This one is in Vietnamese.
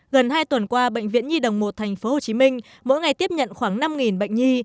gần hai tuần qua bệnh viện nhi đồng một tp hcm mỗi ngày tiếp nhận khoảng năm bệnh nhi